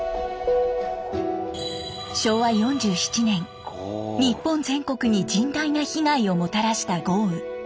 昭和４７年日本全国に甚大な被害をもたらした豪雨。